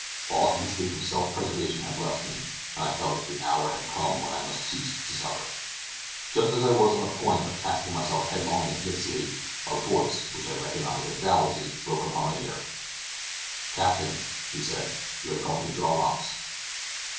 All instinct of self preservation had left me, and I felt that the hour had come when I must cease to suffer. Just as I was on the point of casting myself headlong into the sea, a voice, which I recognized as Dowlas's, broke upon my ear. "Captain," he said, "we are going to draw lots."